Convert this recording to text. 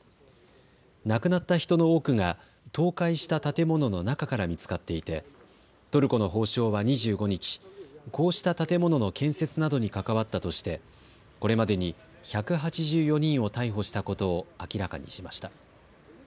亡くなった人の多くが倒壊した建物の中から見つかっていてトルコの法相は２５日、こうした建物の建設などに関わったとしてこれまでに１８４人を逮捕したことを明らかにしました。